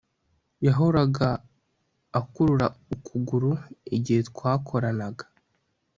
Yahoraga akurura ukuguru igihe twakoranaga